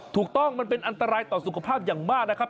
ถูกต้องมันเป็นอันตรายต่อสุขภาพอย่างมากนะครับ